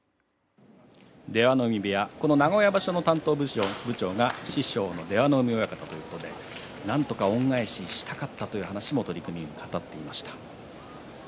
出羽海部屋、名古屋場所の担当部長が師匠の出羽海親方ということでなんとか恩返ししたかったという話も取組後に語っていました。